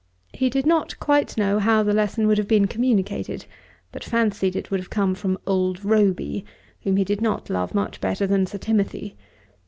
He did not quite know how the lesson would have been communicated, but fancied it would have come from "Old Roby," whom he did not love much better than Sir Timothy.